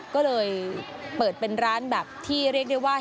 ก็เลยเปิดเป็นร้านแบบที่เรียกได้ว่า